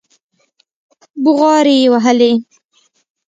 بوغارې يې وهلې.